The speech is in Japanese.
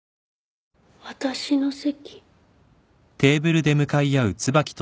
私の席。